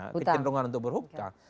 kecenderungan untuk berhutang